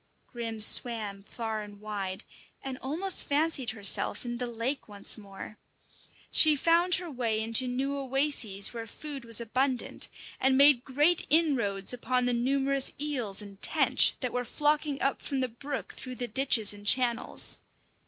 Grim swam far and wide, and almost fancied herself in the lake once more. She found her way into new oases where food was abundant, and made great inroads upon the numerous eels and tench that were flocking up from the brook through the ditches and channels.